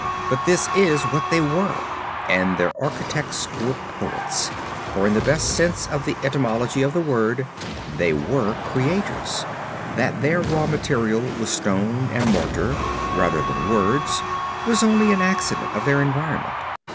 But this is what they were, and their architects were poets, for in the best sense of the etymology of the word they were creators. That their raw material was stone and mortar rather than words was only an accident of their environment.